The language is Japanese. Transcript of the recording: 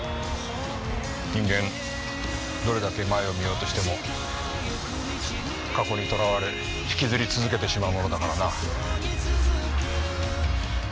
人間どれだけ前を見ようとしても過去にとらわれ引きずり続けてしまうものだからな。